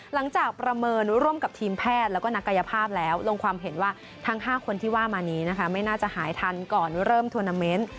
ประเมินร่วมกับทีมแพทย์แล้วก็นักกายภาพแล้วลงความเห็นว่าทั้ง๕คนที่ว่ามานี้นะคะไม่น่าจะหายทันก่อนเริ่มทวนาเมนต์